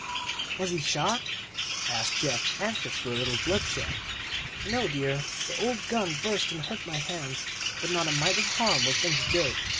'" "Was he shot?" asked Geoff, anxious for a little bloodshed. "No, dear; the old gun burst and hurt my hands, but not a mite of harm was done to Joe.